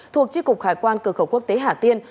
thuộc chiếc cục khải quan cửa khẩu quốc tế hà tiên